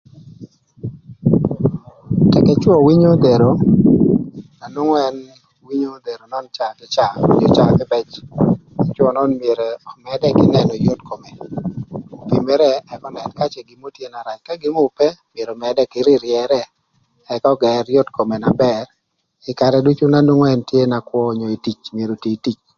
Tëk k'ëcwö winyo dhero na nwongo ën winyo dhero nön caa kï caa onyo caa kïbëc, ëcwö nön myero ömëdërë kï nënö yot kome opimere ëk önën ka cë gin mörö tye na rac ka gin mörö ope myero ömëdërë kï ryëryërë ëk ögër yot kome na bër ï karë ducu na ën tye na kwö onyo ï tio tic.